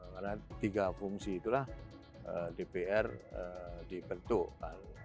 karena tiga fungsi itulah dpr diperdukan